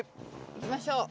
いきましょう。